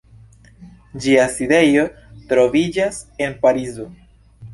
Ĝia sidejo troviĝas en Parizo.